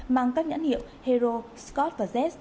mang các nhãn hiệu hero scott và z